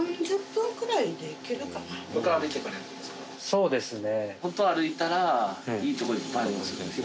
そうですね。